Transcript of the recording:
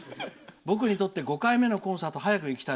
僕にとって５回目のコンサート早く行きたい」。